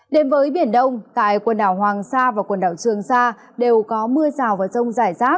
đến với biển đông tại quần đảo hoàng sa và quần đảo trường sa đều có mưa rào và rông rải rác